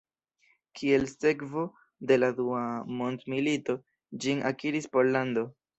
Kiel sekvo de la Dua mondmilito, ĝin akiris Pollando.